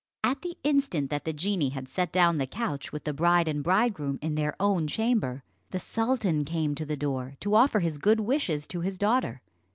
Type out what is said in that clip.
At the instant that the genie had set down the couch with the bride and bridegroom in their own chamber, the sultan came to the door to offer his good wishes to his daughter.